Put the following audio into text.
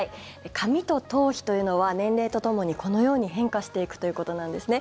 髪と頭皮というのは年齢とともにこのように変化していくということなんですね。